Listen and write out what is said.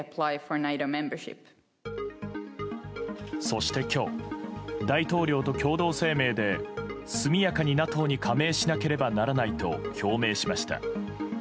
そして今日、大統領と共同声明で速やかにＮＡＴＯに加盟しなければならないと表明しました。